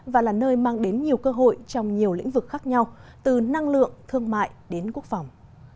và là nơi mang đến nhiều cơ hội trong nhiều lĩnh vực khác nhau từ năng lượng thương mại đến quốc phòng